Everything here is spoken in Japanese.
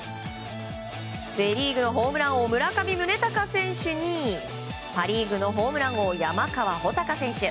セ・リーグのホームラン王村上宗隆選手にパ・リーグのホームラン王山川穂高選手。